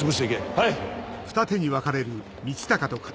はい！